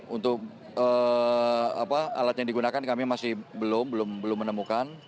untuk alat yang digunakan kami masih belum menemukan